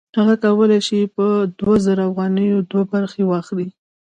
هغه کولی شي په دوه زره افغانیو دوه برخې واخلي